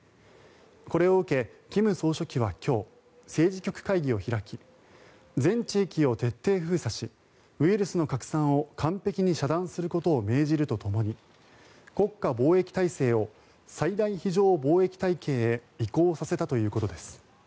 これを受け、金総書記は今日政治局会議を開き全地域を徹底封鎖しウイルスの拡散を完璧に遮断することを命じるとともに国家防疫体制を最大非常防疫体系へ移行させたということです。